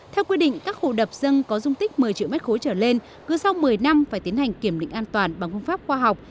theo quy định các hồ đập dân có dung tích một mươi triệu m ba trở lên cứ sau một mươi năm phải tiến hành kiểm định an toàn bằng phương pháp khoa học